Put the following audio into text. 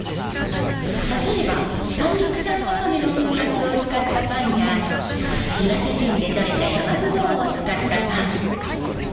例えば三陸産わかめの粉末を使ったパンや岩手県でとれた山ぶどうを使ったパン。